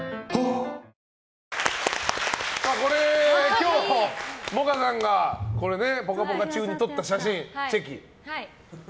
今日萌歌さんが「ぽかぽか」中に撮った写真、チェキ。